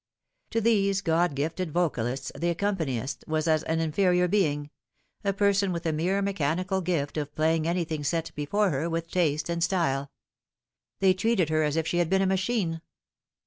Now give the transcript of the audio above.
To these God gifted vocalists the accompanist was as an inferior being, a person with a mere mechanical gift of playing anything set before her with taste and style. They treatea her as if she had been a machine.